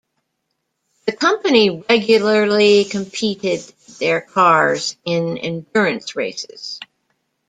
The company regularly competed their cars in endurance races.